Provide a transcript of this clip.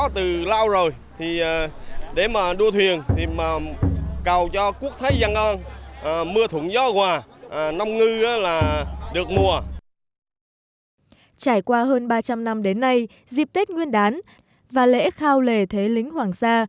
trải qua hơn ba trăm linh năm đến nay dịp tết nguyên đán và lễ khao lề thế lính hoàng sa